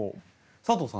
佐藤さん